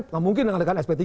tidak mungkin dengan sp tiga